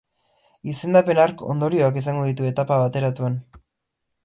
Izendapen hark ondorioak izango ditu etapa bateratuan.